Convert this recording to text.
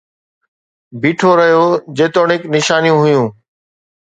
بيٺو رهيو جيتوڻيڪ نشانيون هيون